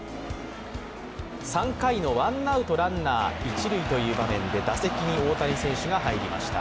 ３回のワンアウト・ランナー一塁という場面で打席に大谷選手が入りました。